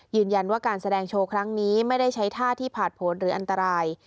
ยืนยันว่าการแสดงโชว์ครั้งนี้ไม่ได้ใช้ท่าที่ผ่านผลหรืออันตราย